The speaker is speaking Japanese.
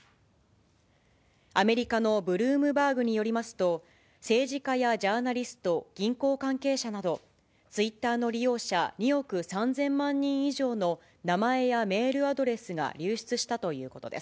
アメリカのブルームバーグによりますと、政治家やジャーナリスト、銀行関係者など、ツイッターの利用者２億３０００万人以上の名前やメールアドレスが流出したということです。